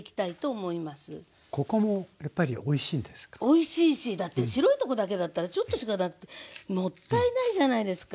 おいしいしだって白いとこだけだったらちょっとしかだってもったいないじゃないですか。